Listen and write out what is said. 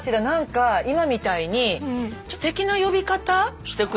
何か今みたいにステキな呼び方？